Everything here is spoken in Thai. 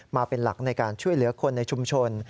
มาเป็นหลักในการช่วยเหลือคนในชุมชน